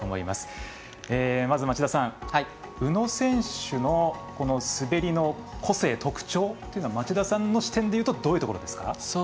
まず町田さん宇野選手の滑りの個性特徴というのは町田さんの視点でいうとどういうところですか？